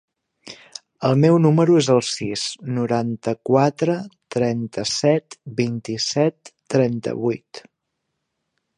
El meu número es el sis, noranta-quatre, trenta-set, vint-i-set, trenta-vuit.